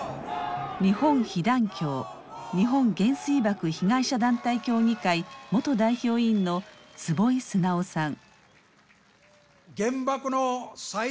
日本被団協日本原水爆被害者団体協議会元代表委員の坪井直さん。